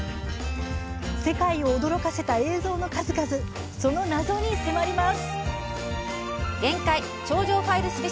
世界を驚かせた映像の数々その謎に迫ります。